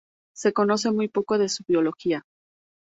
Se conoce muy poco de su biología.